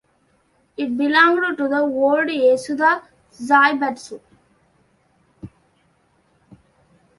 It belonged to the old Yasuda zaibatsu.